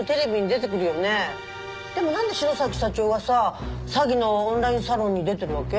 でもなんで白崎社長がさ詐欺のオンラインサロンに出てるわけ？